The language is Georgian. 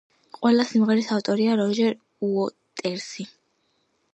ყველა სიმღერის ავტორია როჯერ უოტერსი.